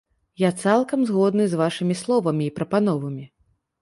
Я цалкам згодны з вашымі словамі і прапановамі.